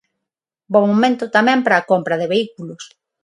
Bo momento tamén para a compra de vehículos.